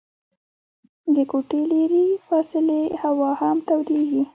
د کوټې لیري فاصلې هوا هم تودیږي.